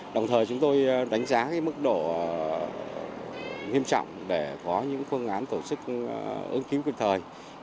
đồng thời chúng tôi đánh giá mức độ nghiêm trọng để có những phương án tổ chức ứng kiếm quyền thời